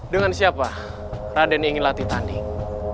dengan siapa raden ingin latih tanding